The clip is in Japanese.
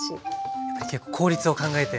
やっぱり効率を考えて。